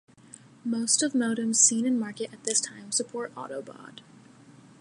Most of modems seen in market at this time support autobaud.